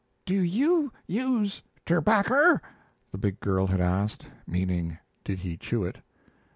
"Do you use terbacker?" the big girl had asked, meaning did he chew it.